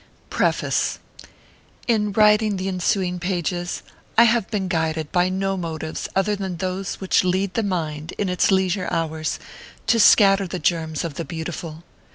PREFACE. In writing the ensuing pages, I have been guided by no motives other than those which lead the mind, in its leisure hours, to scatter the germs of the beau tiful.